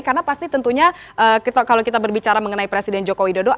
karena pasti tentunya kalau kita berbicara mengenai presiden jokowi dodo